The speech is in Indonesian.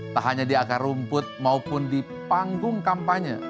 tak hanya di akar rumput maupun di panggung kampanye